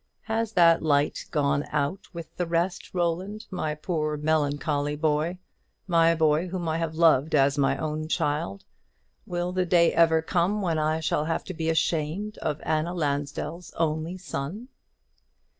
Has that last light gone out with the rest, Roland, my poor melancholy boy, my boy whom I have loved as my own child? will the day ever come when I shall have to be ashamed of Anna Lansdell's only son?"